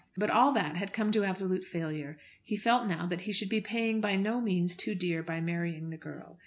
But all that had come to absolute failure. He felt now that he should be paying by no means too dear by marrying the girl.